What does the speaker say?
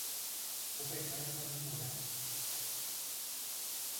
O pecado faz um buraco